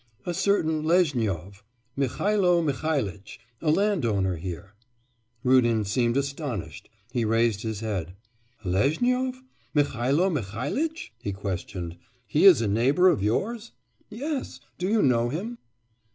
'A certain Lezhnyov, Mihailo Mihailitch, a landowner here.' Rudin seemed astonished; he raised his head. 'Lezhnyov Mihailo Mihailitch?' he questioned. 'Is he a neighbour of yours?' 'Yes. Do you know him?